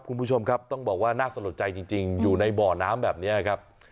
คุณผู้ชมครับต้องบอกว่าน่าสะลดใจจริงอยู่ในบ่อน้ำแบบนี้ครับ